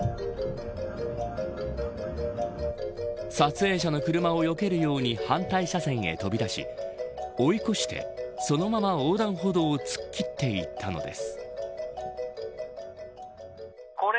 撮影者の車をよけるように反対車線へ飛び出し追い越して、そのまま横断歩道を突っ切っていったのです。